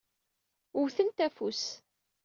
Wwtent afus.